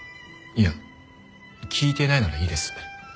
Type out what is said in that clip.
いや聞いてないならいいです。